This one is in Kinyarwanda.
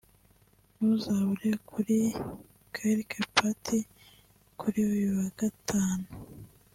ntuzabure kuri Quelque part kuri uyu wa Gatanu